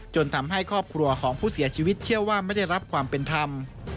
ทำให้ครอบครัวของผู้เสียชีวิตเชื่อว่าไม่ได้รับความเป็นธรรม